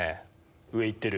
上いってる。